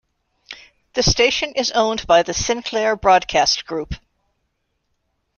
The station is owned by the Sinclair Broadcast Group.